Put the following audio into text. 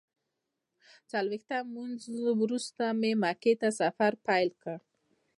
څلویښتم لمونځ وروسته مکې ته سفر پیل کړ.